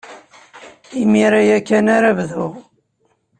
Imir-a ya kan ara bduɣ.